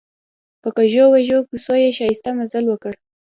په کږو وږو کوڅو یې ښایسته مزل وکړ.